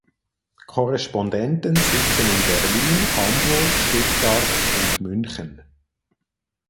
Korrespondenten sitzen in Berlin, Hamburg, Stuttgart und München.